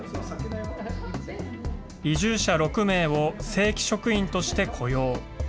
移住者６名を正規職員として雇用。